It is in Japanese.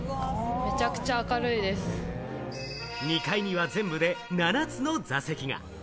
２階には全部で７つの座席が。